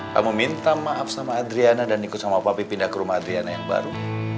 kamu minta maaf sama adriana dan ikut sama papa pindah ke rumah adriana yang baru